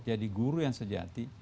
jadi guru yang sejati